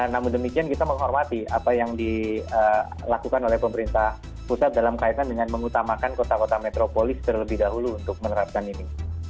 namun demikian kita menghormati apa yang dilakukan oleh pemerintah pusat dalam kaitan dengan mengutamakan kota kota metropolis terlebih dahulu untuk menerapkan ini